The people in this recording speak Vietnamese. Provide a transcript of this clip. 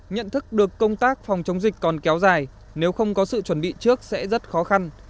nhận thức được công tác phòng chống dịch còn kéo dài nếu không có sự chuẩn bị trước sẽ rất khó khăn